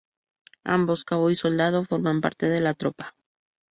Ambos, cabo y soldado, forman parte de la tropa.